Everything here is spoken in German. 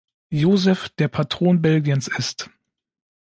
Joseph der Patron Belgiens ist.